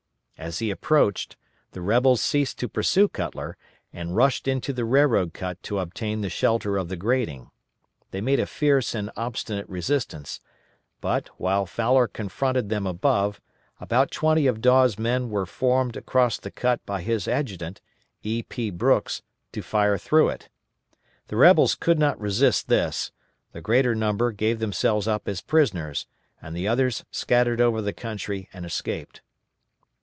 As he approached, the rebels ceased to pursue Cutler, and rushed into the railroad cut to obtain the shelter of the grading. They made a fierce and obstinate resistance, but, while Fowler confronted them above, about twenty of Dawes' men were formed across the cut by his adjutant, E. P. Brooks, to fire through it. The rebels could not resist this; the greater number gave themselves up as prisoners, and the others scattered over the country and escaped.